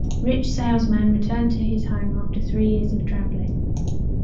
Rich salesman returned to his home after three years of travelling.